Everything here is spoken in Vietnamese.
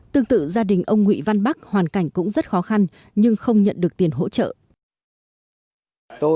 tương tự gia đình ông nguyễn văn bắc hoàn cảnh cũng rất khó khăn nhưng không nhận được tiền hỗ trợ